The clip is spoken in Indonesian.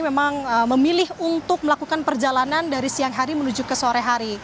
memang memilih untuk melakukan perjalanan dari siang hari menuju ke sore hari